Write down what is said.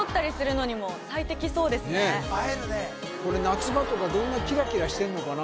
これ夏場とかどんな映えるねキラキラしてんのかな？